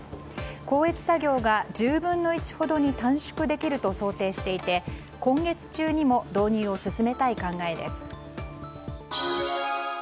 校閲作業が１０分の１ほどに短縮できると想定していて今月中にも導入を進めたい考えです。